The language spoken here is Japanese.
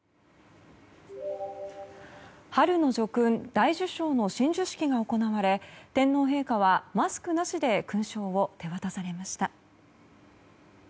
春の叙勲大綬章の親授式が行われ天皇陛下はマスクなしで勲章を手渡されました。